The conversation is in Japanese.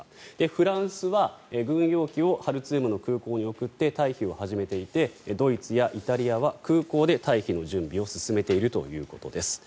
フランスは軍用機をハルツームの空港に送って退避を始めていてドイツやイタリアは空港で退避の準備を進めているということです。